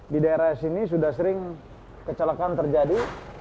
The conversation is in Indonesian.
di daerah sini sudah sering kecelakaan terjadi